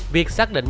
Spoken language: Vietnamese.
việc xác định